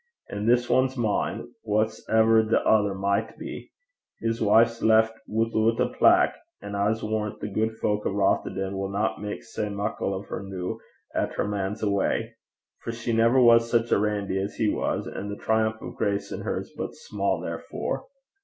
And this ane's mine, whase ever the ither micht be. His wife's left wi'oot a plack, an' I s' warran' the gude fowk o' Rothieden winna mak sae muckle o' her noo 'at her man's awa'; for she never was sic a randy as he was, an' the triumph o' grace in her 's but sma', therefore.